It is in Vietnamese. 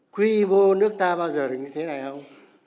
quy mô nước ta bao giờ là như thế này không